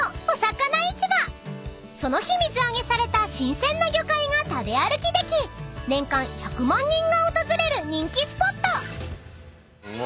［その日水揚げされた新鮮な魚介が食べ歩きでき年間１００万人が訪れる人気スポット］